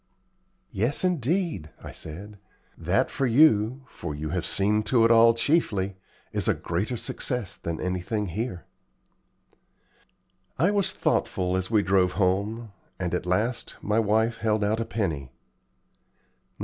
"Yes, indeed," I said. "That for you for you have seen to it all chiefly is a greater success than anything here." I was thoughtful as we drove home, and at last my wife held out a penny.